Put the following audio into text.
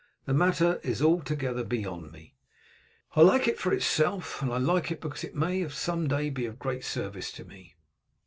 The matter is altogether beyond me." "I like it for itself, and I like it because it may some day be of great service to me."